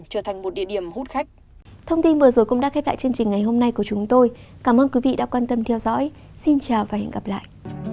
cảm ơn các bạn đã theo dõi xin chào và hẹn gặp lại